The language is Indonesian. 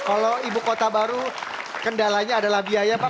kalau ibu kota baru kendalanya adalah biaya pak